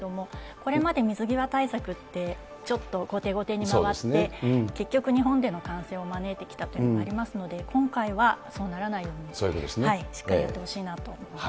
これまで水際対策ってちょっと後手後手に回って、結局、日本での感染を招いてきたというのもありますので、今回はそうならないように、しっかりやってほしいなと思います。